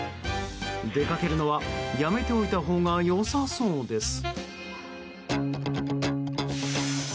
出かけるのはやめておいたほうがよさそうです。